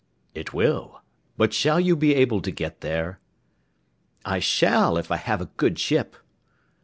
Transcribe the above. "It will; but shall you be able to get there?" "I shall, if I have a good ship."